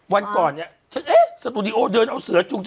วันก่อนเนี่ยฉันเอ๊ะสตูดิโอเดินเอาเสือจุงเธอ